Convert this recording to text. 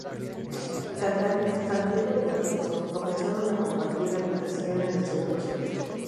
Santiago y Thompson comenzaron a compartir habitación en el segundo semestre.